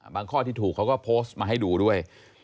ข้อที่ถูกเขาก็โพสต์มาให้ดูด้วย